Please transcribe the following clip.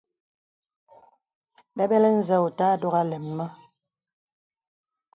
Bəbələ nzə wò òtà àdógā lēm mə.